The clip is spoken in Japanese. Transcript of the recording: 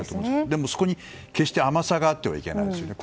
でもそこに決して甘さがあってはいけないですよね。